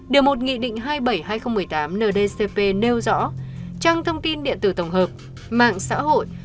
điều một nghị định hai mươi bảy hai nghìn một mươi tám ndcp nêu rõ trang thông tin điện tử tổng hợp mạng xã hội